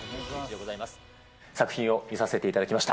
作品を見させていただきました。